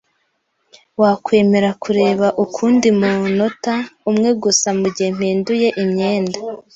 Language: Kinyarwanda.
Wakwemera kureba ukundi munota umwe gusa mugihe mpinduye imyenda?